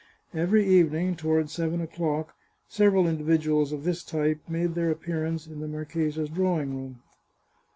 Every evening toward seven o'clock, several individuals of this type made their appearance in the marchesa's draw ing room.